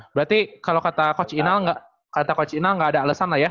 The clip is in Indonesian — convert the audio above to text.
berarti kalo kata coach inal gak ada alesan lah ya